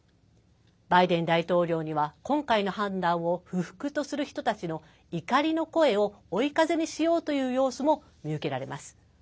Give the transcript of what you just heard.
バイデン大統領には今回の判断を不服とする人たちの怒りの声を追い風にしようという様子も見受けられます。